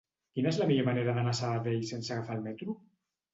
Quina és la millor manera d'anar a Sabadell sense agafar el metro?